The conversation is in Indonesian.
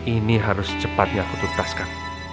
ini harus cepatnya aku tuntaskan